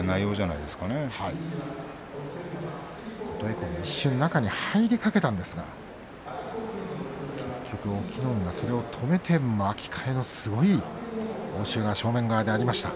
琴恵光も一瞬中に入りかけたんですが結局、隠岐の海がそれを止めて巻き替えすごい応酬が正面側でありました。